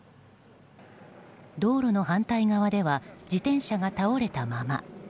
道路の反対側では自転車が倒れたまま。